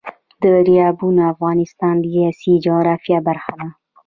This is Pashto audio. دریابونه د افغانستان د سیاسي جغرافیه برخه ده.